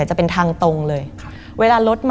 มันกลายเป็นรูปของคนที่กำลังขโมยคิ้วแล้วก็ร้องไห้อยู่